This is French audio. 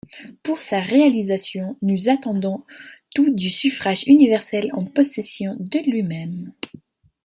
Pour sa réalisation, nous attendons tout du suffrage universel en possession de lui-même.